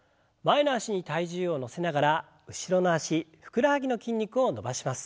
前の脚に体重を乗せながら後ろの脚ふくらはぎの筋肉を伸ばします。